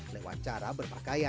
lewat cara berpakaian